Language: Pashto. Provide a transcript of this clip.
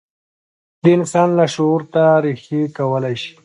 د انسان لاشعور ته رېښې کولای شي.